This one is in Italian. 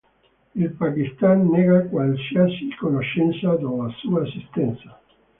Il Pakistan nega qualsiasi conoscenza della sua esistenza.